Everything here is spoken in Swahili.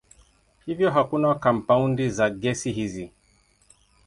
Hivyo hakuna kampaundi za gesi hizi.